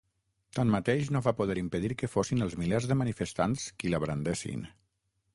Tanmateix, no va poder impedir que fossin els milers de manifestants qui la brandessin.